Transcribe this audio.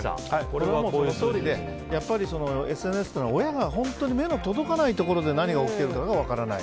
これはそのとおりでＳＮＳっていうのは親が本当に目の届かないところで何が起きてるかが分からない。